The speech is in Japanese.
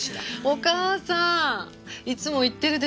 お母さんいつも言ってるでしょ。